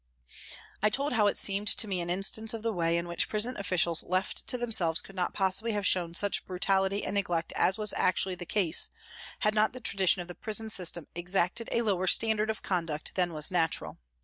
I told how it seemed to me an instance of the way in which prison officials left to themselves could not possibly have shown such brutality and neglect as was actually the case, had not the tradition of the prison system exacted a lower standard of conduct than was natural.